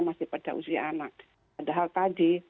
masih pada usia anak padahal tadi